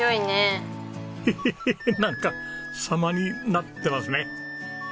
ヘヘヘヘなんかサマになってますね。